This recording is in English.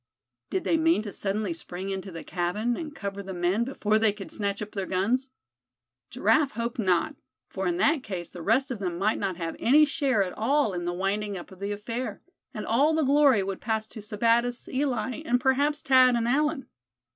Did they mean to suddenly spring into the cabin, and cover the men before they could snatch up their guns? Giraffe hoped not, for in that case the rest of them might not have any share at all in the winding up of the affair; and all the glory would pass to Sebattis, Eli, and perhaps Thad and Allan.